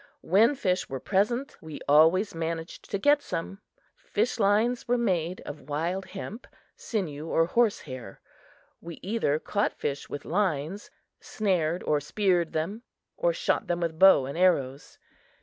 When fish were present, we always managed to get some. Fish lines were made of wild hemp, sinew or horse hair. We either caught fish with lines, snared or speared them, or shot them with bow and arrows.